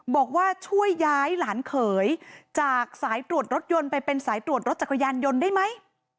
บอกว่าช่วยย้ายหลานเขยจากสายตรวจรถยนต์ไปเป็นสายตรวจรถจักรยานยนต์ได้ไหม